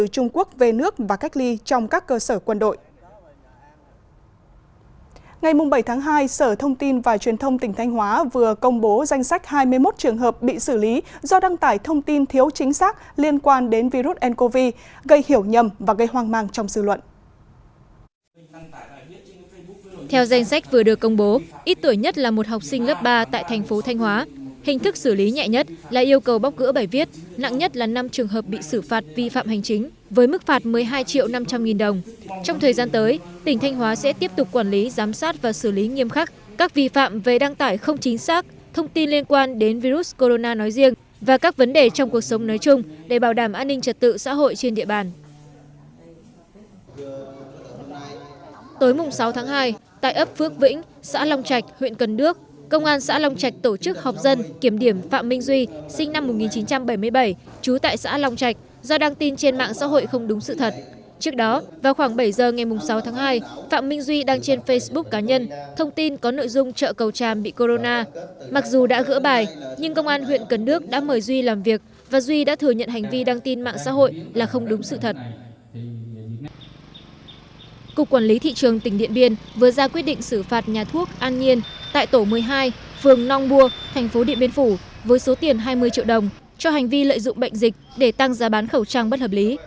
cục quản lý thị trường tỉnh điện biên vừa ra quyết định xử phạt nhà thuốc an nhiên tại tổ một mươi hai phường nong bua thành phố điện biên phủ với số tiền hai mươi triệu đồng cho hành vi lợi dụng bệnh dịch để tăng giá bán khẩu trang bất hợp lý